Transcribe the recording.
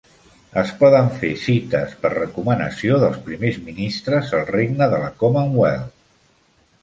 Es poden fer cites per recomanació dels primers ministris al regne de la Commonwealth.